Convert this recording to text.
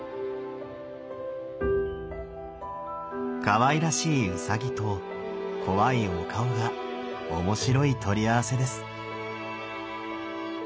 かわいらしいうさぎと怖いお顔が面白い取り合わせです。